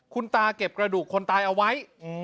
คุณตาเก็บกระดูกคนตายเอาไว้